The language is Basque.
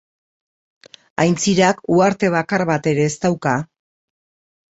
Aintzirak uharte bakar bat ere ez dauka.